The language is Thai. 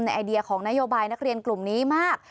ไอเดียของนโยบายนักเรียนกลุ่มนี้มาก